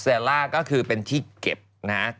ล่าก็คือเป็นที่เก็บนะฮะ